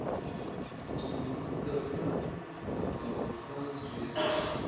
دوست محمد کاکړ د بابړخان زوی دﺉ.